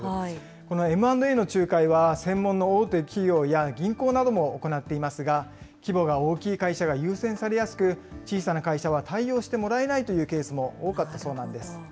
このＭ＆Ａの仲介は、専門の大手企業や銀行なども行っていますが、規模が大きい会社が優先されやすく、小さな会社は対応してもらえないというケースも多かったそうなんです。